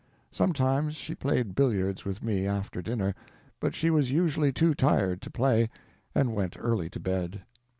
Sometimes she played billiards with me after dinner, but she was usually too tired to play, and went early to bed.